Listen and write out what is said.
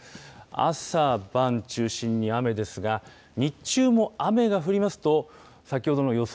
朝晩中心に雨ですが、日中も雨が降りますと、先ほどの予想